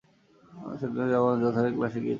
সেদিনও আমি যথারীতি ক্লাসে গিয়েছি।